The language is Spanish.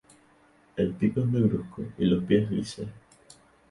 El pico es negruzco y los pies grises.